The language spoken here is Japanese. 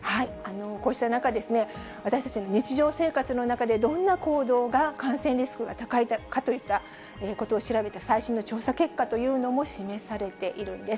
こうした中、私たちの日常生活の中で、どんな行動が感染リスクが高いかといったことを調べた最新の調査結果というのも示されているんです。